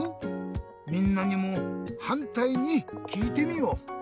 みんなにもはんたいにきいてみよう。